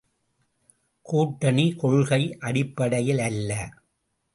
கூட்டணி, கொள்கை அடிப்படையில் அல்ல.